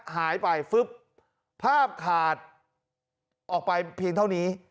หายไปฟึ๊บภาพขาดออกไปเพียงเท่านี้